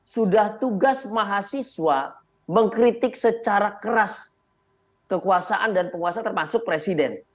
sudah tugas mahasiswa mengkritik secara keras kekuasaan dan penguasa termasuk presiden